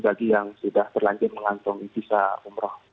bagi yang sudah berlanjut melantungi kisah umroh